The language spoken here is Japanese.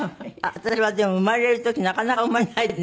私はでも生まれる時なかなか生まれないでね